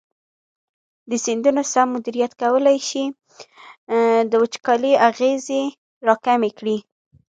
د سیندونو سم مدیریت کولی شي د وچکالۍ اغېزې راکمې کړي.